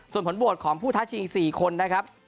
ส่วนผลบวชของผู้ทัชอีก๔คน